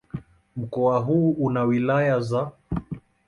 Mkoa huu una wilaya za